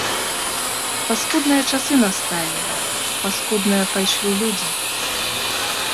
Паскудныя часы насталі, паскудныя пайшлі людзі.